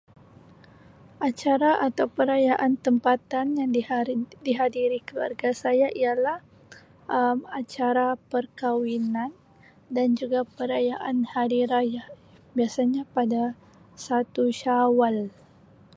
Acara atau perayaan tempatan yang dihadiri-yang dihadiri oleh keluarga saya ialah acara perkahwinan dan juga perayaan hari raya, biasanya pada satu syawal.